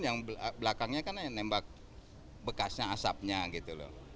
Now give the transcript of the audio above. yang belakangnya kan nembak bekasnya asapnya gitu loh